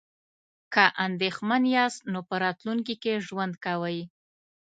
که اندیښمن یاست نو په راتلونکي کې ژوند کوئ.